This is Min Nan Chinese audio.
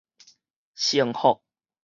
成福